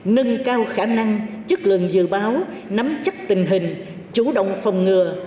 nâng cao khả năng chất lượng dự báo nắm chắc tình hình chủ động phòng ngừa